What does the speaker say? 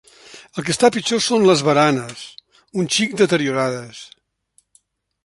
El que està pitjor són les baranes, un xic deteriorades.